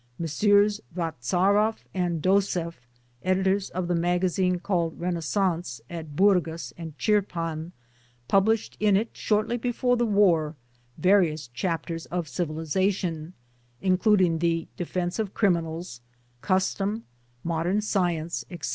Messrs. Vaptzaroff and DossefT, editors of the magazine called Renaissans at ^Burgas and Tchirpan, published in it shortly before the War various chapters of Civilization, including " The Defence of Criminals," " Custom," " Modern Science," etc.